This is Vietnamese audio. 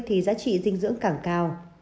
thì giá trị dinh dưỡng càng cao